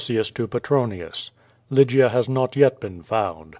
127 Vinitius to Petronius. Lygia has not yet been found.